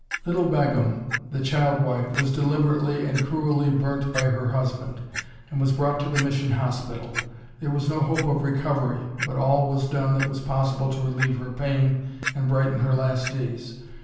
Little Bagum, the child wife, was deliberately and cruelly burnt by her husband, and was brought to the mission hospital. There was no hope of recovery, but all was done that was possible to relieve her pain and brighten her last days.